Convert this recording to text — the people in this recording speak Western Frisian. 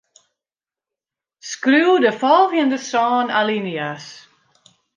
Skriuw de folgjende sân alinea's.